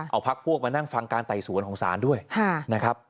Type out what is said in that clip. เอาพักพวกมานั่งฟังการไต่สวนของศาลด้วยนะครับ